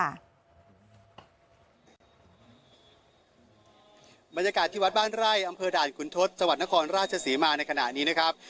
บรรยากาศที่วัดบ้านไร่อำเภอด่านขุนทศจังหวัดนครราชศรีมาในขณะนี้นะครับ